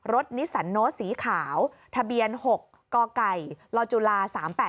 รถนิสันโน้ตสีขาวทะเบียน๖กลจุลา๓๘๙๕